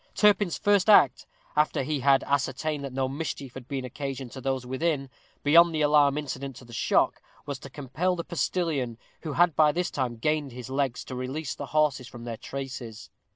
Turpin's first act, after he had ascertained that no mischief had been occasioned to those within, beyond the alarm incident to the shock, was to compel the postilion, who had by this time gained his legs, to release the horses from their traces.